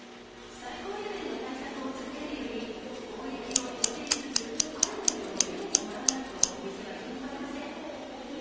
最高レベルの対策を続けるより、防疫を徹底しつつ、ある程度緩めてもらわないと、お店は生き残れません。